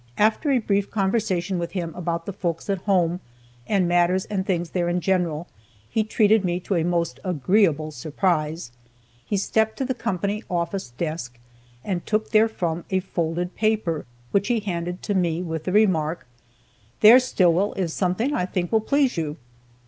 After a brief conversation with him about the folks at home, and matters and things there in general, he treated me to a most agreeable surprise. He stepped to the company office desk, and took therefrom a folded paper which he handed to me with the remark: "There, Stillwell, is something I think will please you."